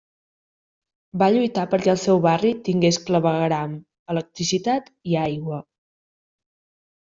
Va lluitar perquè el seu barri tingués clavegueram, electricitat i aigua.